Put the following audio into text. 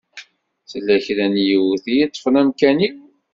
Tella kra n yiwet i yeṭṭfen amkan-iw.